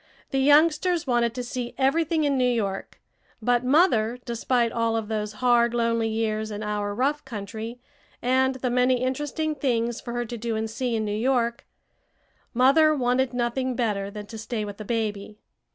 The youngsters wanted to see everything in New York; but mother, despite all of those hard, lonely years in our rough country and the many interesting things for her to do and see in New York mother wanted nothing better than to stay with the baby.